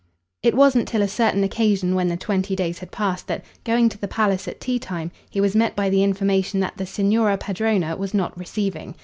It wasn't till a certain occasion when the twenty days had passed that, going to the palace at tea time, he was met by the information that the signorina padrona was not "receiving."